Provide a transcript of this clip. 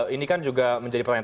ini kan juga menjadi pertanyaan